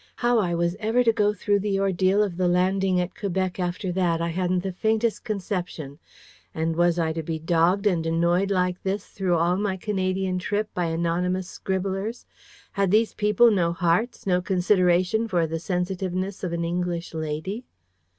How I was ever to go through the ordeal of the landing at Quebec after that, I hadn't the faintest conception. And was I to be dogged and annoyed like this through all my Canadian trip by anonymous scribblers? Had these people no hearts? no consideration for the sensitiveness of an English lady?